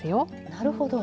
なるほど。